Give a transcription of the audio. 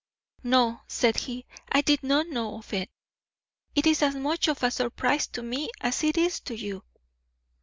"No," said he, "I did not know of it. It is as much of a surprise to me as it is to you."